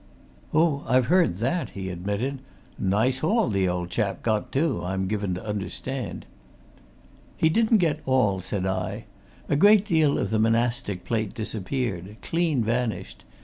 "Oh, I've heard that!" he admitted. "Nice haul the old chap got, too, I'm given to understand." "He didn't get all," said I. "A great deal of the monastic plate disappeared clean vanished.